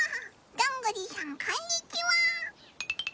どんぐりさんこんにちは！